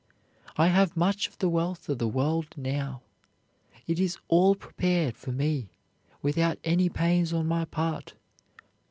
I have much of the wealth of the world now. It is all prepared for me without any pains on my part.